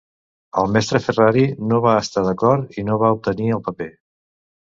El mestre Ferrari no va estar d'acord i no va obtenir el paper.